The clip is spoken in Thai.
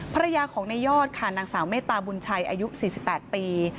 ภรรยาของในยอดค่ะนางสาวเมตตาบุญชัยอายุ๔๘ปี